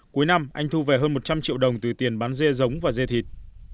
cuối năm anh thu về hơn một trăm linh triệu đồng từ tiền bán dê giống và dê thịt